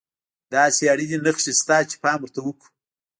داسې اړينې نښې شته چې پام ورته وکړو.